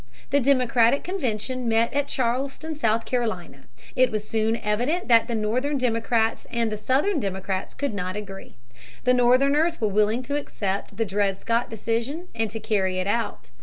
The Democratic convention met at Charleston, South Carolina. It was soon evident that the Northern Democrats and the Southern Democrats could not agree. The Northerners were willing to accept the Dred Scott decision and to carry it out.